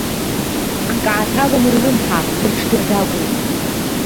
Ак ааҭалом рлымҳа, рыҽдырдагәоу.